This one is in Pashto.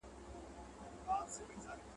• چي نه لري هلک، هغه کور د اور لايق.